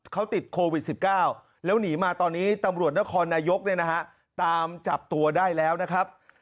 เขาติดโควิด๑๙แล้วหนีมาตอนนี้ตำรวจนครนายกเนี่ยนะฮะตามจับตัวได้แล้วนะครับ